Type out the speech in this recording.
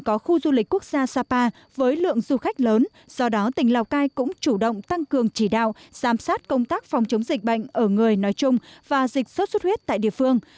có khu du lịch quốc gia sapa với lượng du khách lớn do đó tỉnh lào cai cũng chủ động tăng cường chỉ đạo giám sát công tác phòng chống dịch bệnh ở người nói chung và dịch sốt xuất huyết tại địa phương